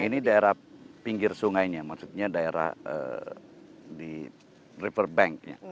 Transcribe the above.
ini daerah pinggir sungainya maksudnya daerah di riverbanknya